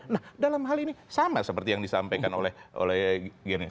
nah dalam hal ini sama seperti yang disampaikan oleh gerindra